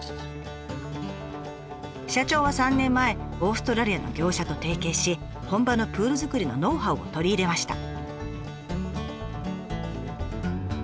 社長は３年前オーストラリアの業者と提携し本場のプール作りのノウハウを取り入れました。